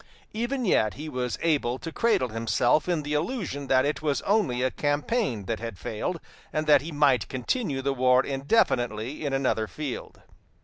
Even yet he was able to cradle himself in the illusion that it was only a campaign that had failed, and that he might continue the war indefinitely in another field.